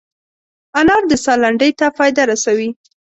انار د ساه لنډۍ ته فایده رسوي.